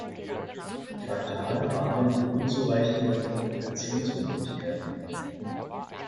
Fatal waren die unzureichenden Kommunikationsmöglichkeiten.